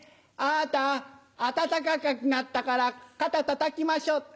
あた暖かくなったから肩たたきましょ。